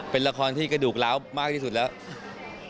เป็นละครที่กระดูกล้าวมากที่สุดแล้ว